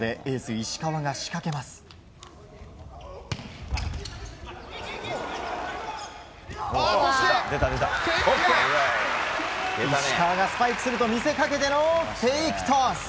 石川がスパイクすると見せかけてフェイクトス。